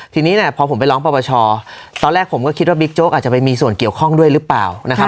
ทีนี้เนี่ยพอผมไปร้องปรปชตอนแรกผมก็คิดว่าบิ๊กโจ๊กอาจจะไปมีส่วนเกี่ยวข้องด้วยหรือเปล่านะครับ